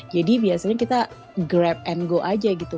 jadi biasanya kita grab and go aja gitu